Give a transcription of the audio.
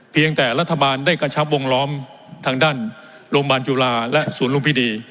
เพียงแต่รัฐบาลได้กระชับวงล้อมทางด้านโรงพยาบาลจุฬาและศูนย์ลุมพินี